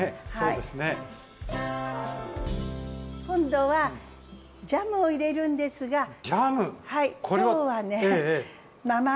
今度はジャムを入れるんですが。